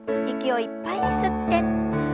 息をいっぱいに吸って。